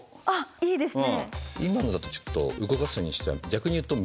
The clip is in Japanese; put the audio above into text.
いいですね！